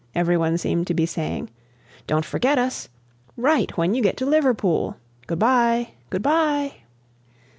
Every one seemed to be saying, "Don't forget us. Write when you get to Liverpool. Good bye! Good bye!"